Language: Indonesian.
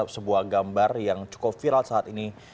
sebuah gambar yang cukup viral saat ini